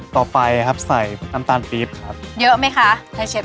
ต่อไปครับใส่น้ำตาลปี๊บครับเยอะไหมคะใช้เชฟ